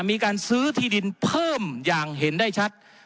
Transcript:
มีการซื้อที่ดินเพิ่มอย่างเห็นได้ชัด